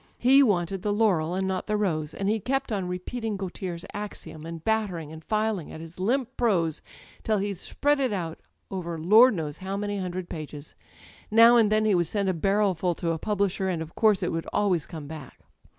He wanted the hiuiel and not the rose» and he kept on repeating Gautier's axiom» and battering and filing at his limp prose till he'd spread it out over Lord knows how many hundred pages. Now and then he would send a barrelf ul to a publisher, and of course it would always come back.